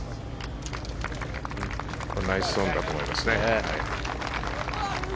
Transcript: ナイスオンだと思います。